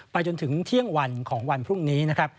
จนถึงเที่ยงวันของวันพรุ่งนี้นะครับ